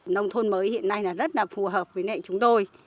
nông thuần mới hiện nay rất là phù hợp với nệm chúng tôi